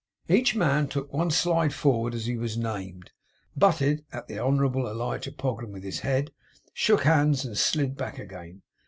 Each man took one slide forward as he was named; butted at the Honourable Elijah Pogram with his head; shook hands, and slid back again.